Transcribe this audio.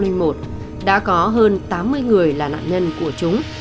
với một số trụ đều là nạn nhân của chúng